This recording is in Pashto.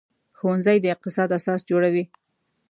ښوونځی د اقتصاد اساس جوړوي